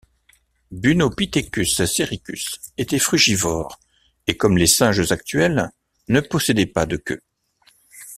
Bunopithecus sericus était frugivore et, comme les singes actuels, ne possédait pas de queue.